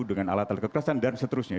dengan alat alat kekerasan dan seterusnya